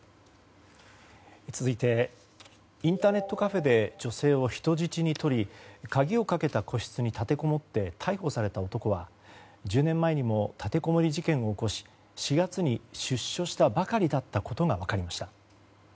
続いてインターネットカフェで女性を人質に取り鍵をかけた個室に立てこもって逮捕された男は１０年前にも立てこもり事件を起こし、４月に出所したばかりだったことが分かりました。